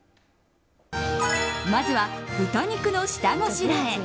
まずは豚肉の下ごしらえ。